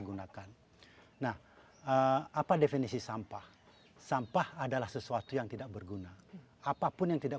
gunakan nah apa definisi sampah sampah adalah sesuatu yang tidak berguna apapun yang tidak